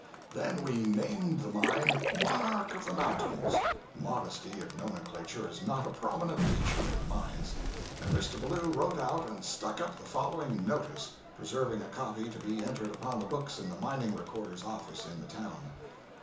Then we named the mine "Monarch of the Mountains" (modesty of nomenclature is not a prominent feature in the mines), and Mr. Ballou wrote out and stuck up the following "notice," preserving a copy to be entered upon the books in the mining recorder's office in the town.